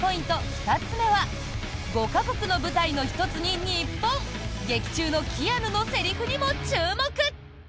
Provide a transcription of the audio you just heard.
２つ目は５か国の舞台の１つに日本劇中のキアヌのセリフにも注目！